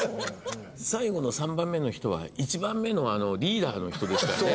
最後の３番目の人は１番目のリーダーの人でしたよね。